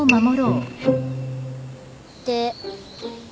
「で」